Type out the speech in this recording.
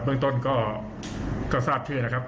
เมืองต้นก็ทราบชื่อนะครับ